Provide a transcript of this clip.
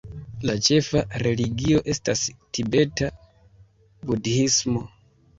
La ĉefa religio estas tibeta budhismo.